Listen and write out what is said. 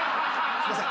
すいません。